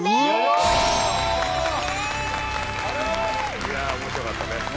いや面白かったね。